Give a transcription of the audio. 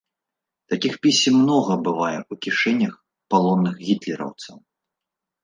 Такіх пісем многа бывае ў кішэнях палонных гітлераўцаў.